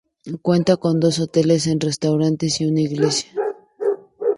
Cuenta con dos hoteles, un restaurante, y una iglesia.